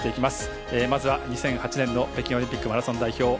まずは２００８年の北京オリンピックマラソン代表